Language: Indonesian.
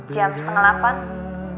jam setengah delapan